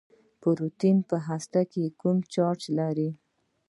پروټون په هسته کې کوم چارچ لري.